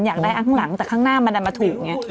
อยากได้ข้างหลังแต่ข้างหน้ามันดันมาถูกไง